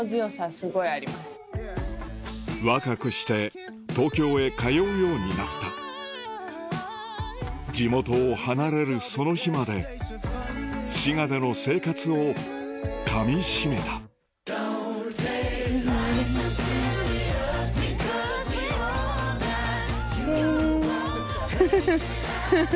若くして東京へ通うようになった地元を離れるその日まで滋賀での生活を噛み締めたフフフ。